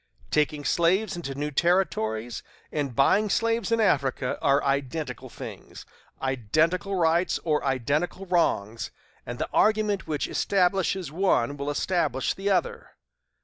Taking slaves into new Territories, and buying slaves in Africa, are identical things, identical rights or identical wrongs, and the argument which establishes one will establish the other.